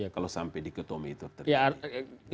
kalau sampai dikotomi itu terjadi